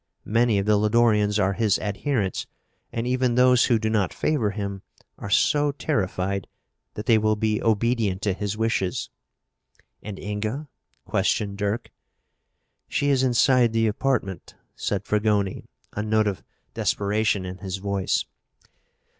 Many of the Lodorians are his adherents and even those who do not favor him are so terrified that they will be obedient to his wishes." "And Inga?" questioned Dirk. "She is inside the apartment," said Fragoni, a note of desperation in his voice.